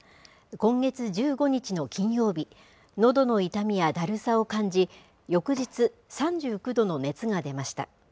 今月１５日の金曜日、のどの痛みやだるさを感じ、翌日、３９度の熱が出ました。